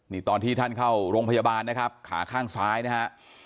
นี่ตอนที่ท่านเข้าโรงพยาบาลนะครับขาข้างซ้ายนะฮะ